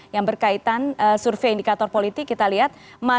yang berkaitan survei indikator politik kita lihat